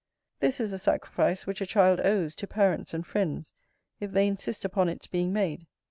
This is a sacrifice which a child owes to parents and friends, if they insist upon its being made.